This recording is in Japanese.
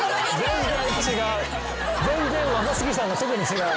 全然若槻さんが特に違う。